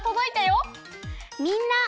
みんな。